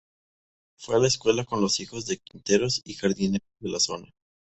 Fue a la escuela con los hijos de quinteros y jardineros de la zona.